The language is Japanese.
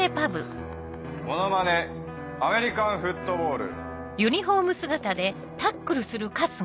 モノマネアメリカンフットボール。